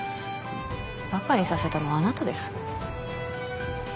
バカにさせたのはあなたです。